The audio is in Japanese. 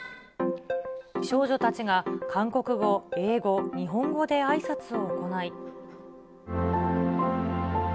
少女たちが、韓国語、英語、日本語であいさつを行い。